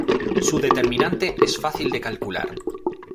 Su determinante es fácil de calcular.